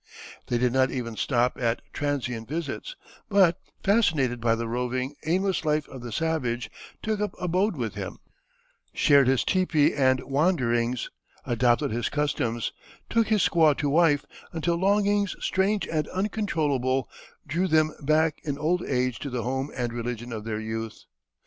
They did not even stop at transient visits, but, fascinated by the roving, aimless life of the savage, took up abode with him, shared his tepee and wanderings, adopted his customs, took his squaw to wife, until longings strange and uncontrollable drew them back in old age to the home and religion of their youth.